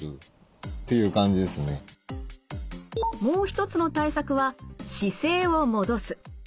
もう一つの対策は姿勢を戻す。